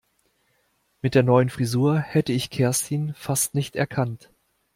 Mit der neuen Frisur hätte ich Kerstin fast nicht erkannt.